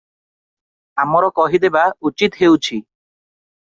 ଆମର କହିଦେବା ଉଚିତ ହେଉଛି ।